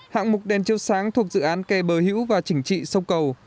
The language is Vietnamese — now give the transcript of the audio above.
hạng mục đèn chiếu sáng thuộc dự án cây bờ hữu và chỉnh trị sông cầu